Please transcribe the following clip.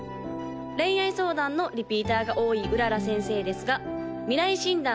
恋愛相談のリピーターが多い麗先生ですが未来診断